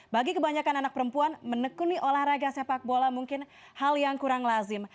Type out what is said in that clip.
bagi kebanyakan anak perempuan menekuni olahraga sepak bola mungkin hal yang kurang lazim